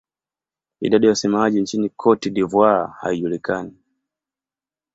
Idadi ya wasemaji nchini Cote d'Ivoire haijulikani.